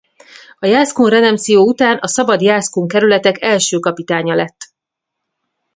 A jászkun redemptio után a szabad Jászkun kerület-ek első kapitánya lett.